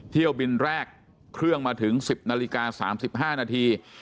เที่ยวบินแรกเครื่องมาถึง๑๐นาฬิกา๓๕นาที